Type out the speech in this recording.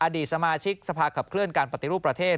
อดีตสมาชิกสภาขับเคลื่อนการปฏิรูปประเทศ